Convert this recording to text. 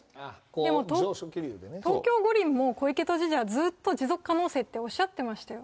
でも東京五輪も小池都知事はずっと持続可能性っておっしゃってましたよ。